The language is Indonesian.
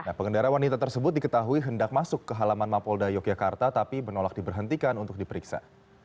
nah pengendara wanita tersebut diketahui hendak masuk ke halaman mapolda yogyakarta tapi menolak diberhentikan untuk diperiksa